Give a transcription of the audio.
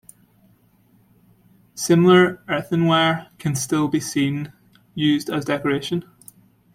Similar earthenware can still be seen used as decorations.